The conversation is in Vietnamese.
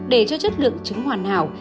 để cho chất lượng trứng hoàn hảo